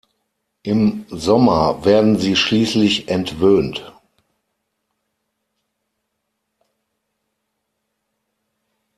Im Sommer werden sie schließlich entwöhnt.